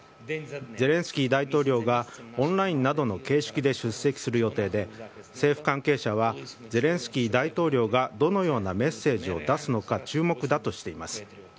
ゼレンスキー大統領がオンラインなどの形式で出席する予定で政府関係者はゼレンスキー大統領がどのようなメッセージを出すのか注目だとしています。